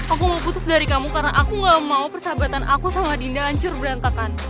aku mau putus dari kamu karena aku gak mau persahabatan aku sama dinda hancur berantakan